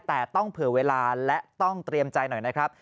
แต่ต้องเผื่อเวลาและต้องเตรียมใจหน่อยนะครับ